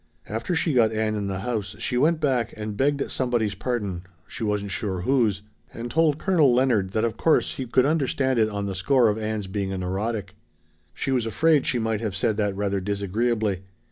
After she got Ann in the house she went back and begged somebody's pardon she wasn't sure whose and told Colonel Leonard that of course he could understand it on the score of Ann's being a neurotic. She was afraid she might have said that rather disagreeably.